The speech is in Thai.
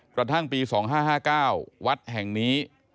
กระทั่งปี๒๕๕๙วัดแห่งนี้